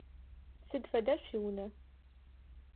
Сыд фэда шъуиунэ?